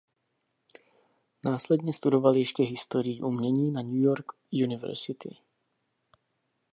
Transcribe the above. Následně studoval ještě historii umění na New York University.